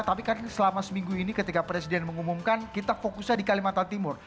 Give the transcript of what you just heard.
tapi kan selama seminggu ini ketika presiden mengumumkan kita fokusnya di kalimantan timur